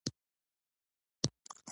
بيا يې وويل څلور نوي.